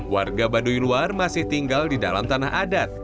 warga baduy luar masih tinggal di dalam tanah adat